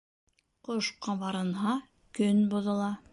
Ҡош ҡабарынһа, көн боҙола.